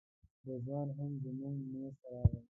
رضوان هم زموږ میز ته راغی.